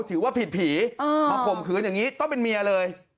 ถือว่าผิดผีมาข่มขืนอย่างนี้ต้องเป็นเมียเลย